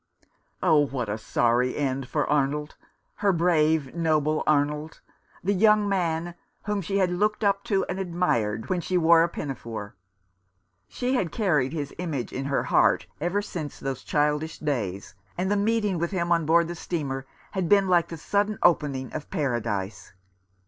Oh, what a sorry end for Arnold, her brave, noble Arnold, the young man v/hom she had looked up to and admired when she wore c pina fore ! She had carried his image in her heart ever since those childish days ; and the meeting with him on board the steamer had been like the sudden opening of paradise.